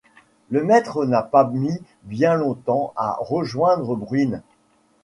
Le maître n’a pas mis bien longtemps à rejoindre Bruine.